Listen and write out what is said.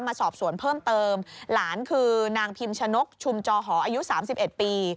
มาสอบสวนเพิ่มเติมหลานคือนางพิมชนกชุมจอหออายุ๓๑ปี